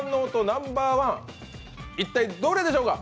ナンバー１、一体どれでしょうか？